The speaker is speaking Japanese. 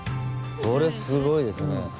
これすごいですね。